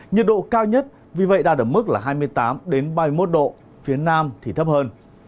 nhiệt độ cao nhất vì vậy đạt ở mức là hai mươi tám ba mươi một độ phía nam thì thấp hơn